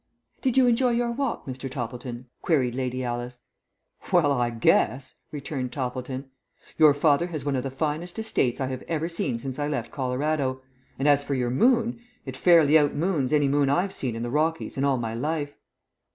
"Did you enjoy your walk, Mr. Toppleton?" queried Lady Alice. "Well, I guess!" returned Toppleton. "Your father has one of the finest estates I have ever seen since I left Colorado, and as for your moon, it fairly out moons any moon I've seen in the Rockies in all my life."